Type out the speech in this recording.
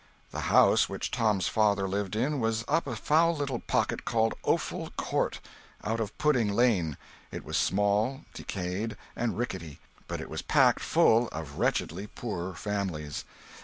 The house which Tom's father lived in was up a foul little pocket called Offal Court, out of Pudding Lane. It was small, decayed, and rickety, but it was packed full of wretchedly poor families.